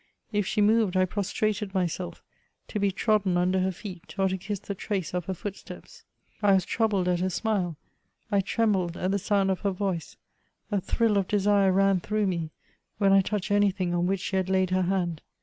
If she moved, I prostrated myself, to be trodden under her feet, or to kiss the trace of her footsteps. I was troubled at her smile ; I trembled at the sound of her voice ; a thrill of desire ran through me when I touched anything on which she had laid her hand.